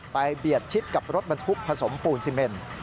เบียดชิดกับรถบรรทุกผสมปูนซีเมน